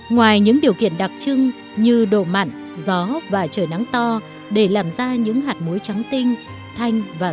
ngoài những điều kiện đặc trưng như độ mặn gió và trời nắng to để làm ra những hạt muối trắng tinh thanh và rớ